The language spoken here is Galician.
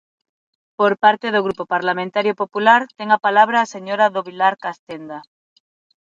Por parte do Grupo Parlamentario Popular ten a palabra a señora do Vilar Castenda.